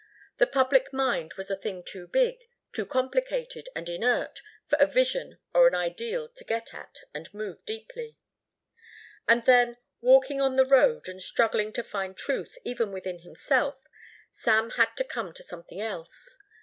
The public mind was a thing too big, too complicated and inert for a vision or an ideal to get at and move deeply. And then, walking on the road and struggling to find truth even within himself, Sam had to come to something else.